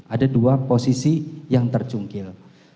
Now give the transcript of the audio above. ada dua posisi yang tercungkil